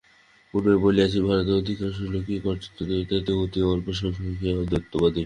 পূর্বেই বলিয়াছি, ভারতের অধিকাংশ লোকই কার্যত দ্বৈতবাদী, অতি অল্পসংখ্যকই অদ্বৈতবাদী।